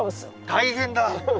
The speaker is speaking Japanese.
大変だ。